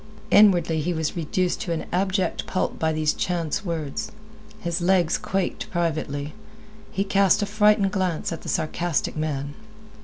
Inwardly he was reduced to an abject pulp by these chance words. His legs quaked privately. He cast a frightened glance at the sarcastic man.